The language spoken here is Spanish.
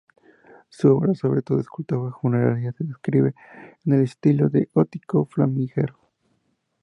Su obra, sobre todo escultura funeraria, se inscribe en el estilo del Gótico flamígero.